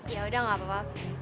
ya udah gak apa apa